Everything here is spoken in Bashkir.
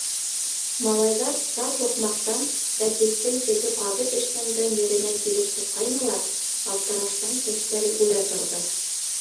Малайҙар тар һуҡмаҡтан Рәфистең теге ҡаҙып эшләнгән еренә килеп сыҡҡайнылар, аптыраштан сәстәре үрә торҙо.